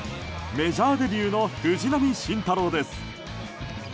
メジャーデビューの藤浪晋太郎です。